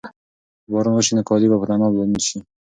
که باران وشي نو کالي به په طناب لوند شي.